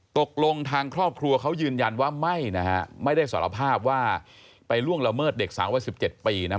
ตกลงทางครอบครัวเขายืนยันว่าไม่นะฮะไม่ได้สารภาพว่าไปล่วงละเมิดเด็กสาววัย๑๗ปีนะ